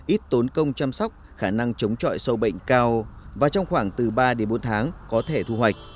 ít tốn công chăm sóc khả năng chống trọi sâu bệnh cao và trong khoảng từ ba đến bốn tháng có thể thu hoạch